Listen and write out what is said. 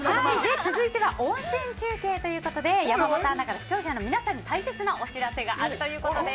続いて温泉中継ということで山本アナが視聴者の皆さんに大切なお知らせがあるということです。